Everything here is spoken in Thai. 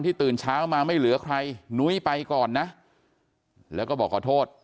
ตื่นเช้ามาไม่เหลือใครนุ้ยไปก่อนนะแล้วก็บอกขอโทษ